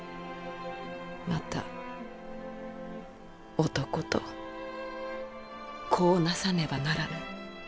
また男と子をなさねばならぬ。